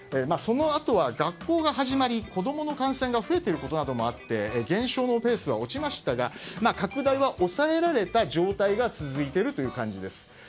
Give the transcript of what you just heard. そのあとは、学校が始まり子供の感染が増えていることなどもあって減少のペースは落ちましたが拡大は抑えられた状態が続いているという感じです。